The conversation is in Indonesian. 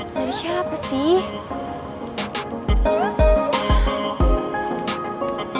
dari siapa sih